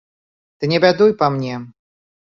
Ты не бядуй па мне.